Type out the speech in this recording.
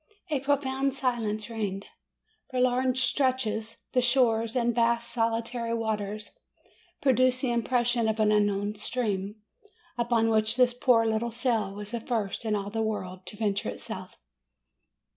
A 'profound silence reigned. For long stretches the shores and vast, solitary waters produced the impression of an unknown stream, upon which this poor little sail was the first in all the world to venture itself.